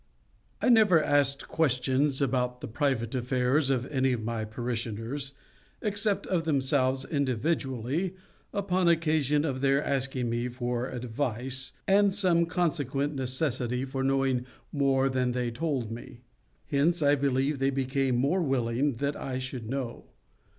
I never asked questions about the private affairs of any of my parishioners, except of themselves individually upon occasion of their asking me for advice, and some consequent necessity for knowing more than they told me. Hence, I believe, they became the more willing that I should know.